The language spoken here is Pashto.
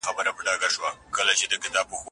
عقل انسان له ناوړو کړنو څخه منع کوي.